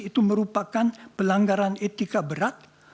itu merupakan pelanggaran etika berat